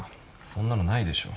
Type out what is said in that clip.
そんなのないでしょ。